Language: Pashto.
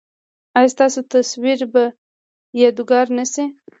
ایا ستاسو تصویر به یادګار نه شي؟